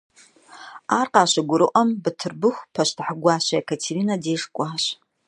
Ар къащыгурыӀуэм, Бытырбыху пащтыхь гуащэ Екатеринэ деж кӀуащ.